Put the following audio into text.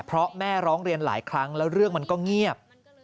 เพราะแม่ร้องเรียนหลายครั้งแล้วเรื่องมันก็เงียบ